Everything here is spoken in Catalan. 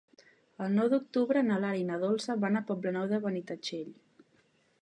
El nou d'octubre na Lara i na Dolça van al Poble Nou de Benitatxell.